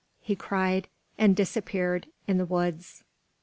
he cried and disappeared in the woods.